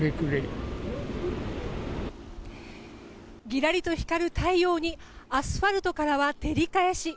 ギラリと光る太陽にアスファルトからは照り返し。